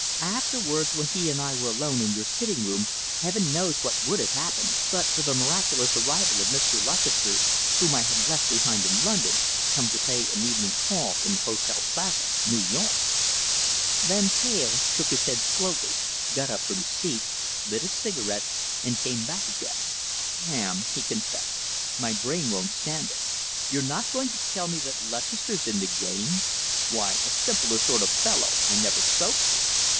Afterwards, when he and I were alone in your sitting room, heaven knows what would have happened, but for the miraculous arrival of Mr. Lutchester, whom I had left behind in London, come to pay an evening call in the Hotel Plaza, New York!" Van Teyl shook his head slowly, got up from his seat, lit a cigarette, and came back again. "Pam," he confessed, "my brain won't stand it. You're not going to tell me that Lutchester's in the game? Why, a simpler sort of fellow I never spoke to."